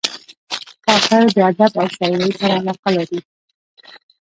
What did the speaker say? کاکړ د ادب او شاعرۍ سره علاقه لري.